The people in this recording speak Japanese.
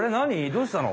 どうしたの？